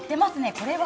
これは？